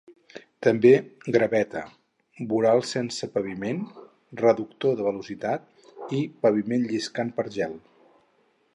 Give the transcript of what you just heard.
També, "Graveta", "Voral sense pavimentar", "Reductor de velocitat" i "Paviment lliscant per gel".